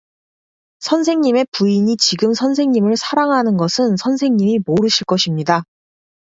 선생님의 부인이 지금 선생님을 사랑하는 것은 선생님이 모르실 것입니다.